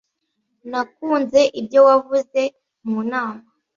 Nakunze ibyo wavuze mu nama.